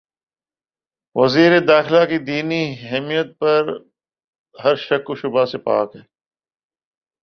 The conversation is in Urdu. وزیر داخلہ کی دینی حمیت تو ہر شک و شبہ سے پاک ہے۔